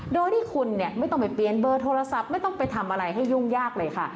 โดยที่คุณเนี่ยไม่ต้องไปเปลี่ยนเบอร์โทรศัพท์ไม่ต้องไปทำอะไรให้ยุ่งยากเลยค่ะ